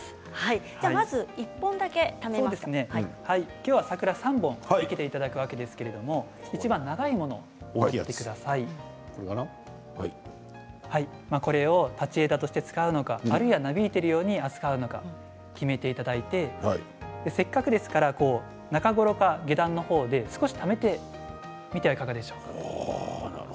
今日は桜を３本生けていただくわけですけれどもいちばん長いものこれを立ち枝として使うのかあるいは、なびいているように使うのか決めていただいてせっかくですから中ごろか下段のところで少しためてみてはいかがでしょうか。